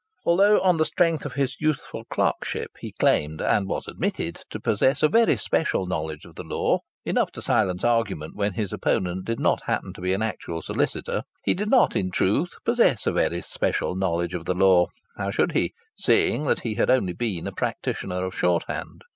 Although on the strength of his youthful clerkship he claimed, and was admitted, to possess a very special knowledge of the law enough to silence argument when his opponent did not happen to be an actual solicitor he did not in truth possess a very special knowledge of the law how should he, seeing that he had only been a practitioner of shorthand?